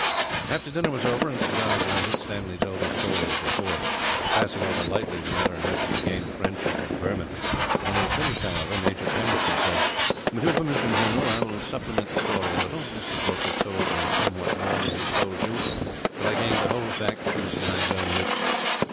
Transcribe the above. After dinner was over and cigars lighted, Stanley told his story as before, passing over lightly the manner in which he had gained the friendship of the Burman. When he had finished, however, Major Pemberton said: "With your permission, general, I will supplement the story a little. Mr. Brooke has told me somewhat more than he has told you, but I gained the whole facts from his guide's own lips."